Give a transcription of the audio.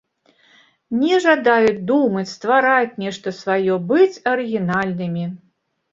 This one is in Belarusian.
Не жадаюць думаць, ствараць нешта сваё, быць арыгінальнымі.